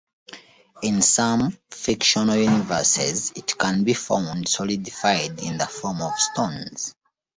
In some fictional universes, it can be found solidified in the form of stones.